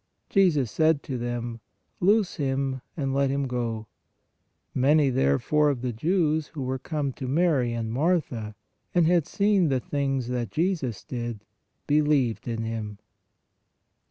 Jesus said to them: Loose him, and let him go. Many, therefore of the Jews, who were come to Mary and Martha, and had seen the things that Jesus did, believed in Him."